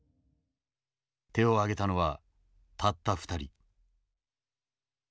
手を挙げたのはたった２人。